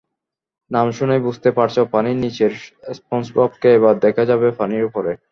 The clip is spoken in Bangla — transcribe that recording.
নাম শুনেই বুঝতে পারছ পানির নিচের স্পঞ্জববকে এবার দেখা যাবে পানির ওপরে।